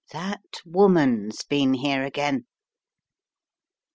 That woman's been here again."